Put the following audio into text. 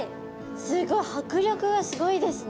すごい迫力がすごいですね。